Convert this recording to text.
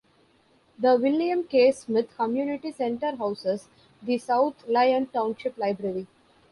The William K. Smith Community Center houses the South Lyon Township Library.